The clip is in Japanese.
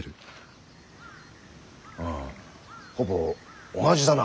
ああほぼ同じだな。